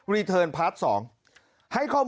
เมื่อกี้มันร้องพักเดียวเลย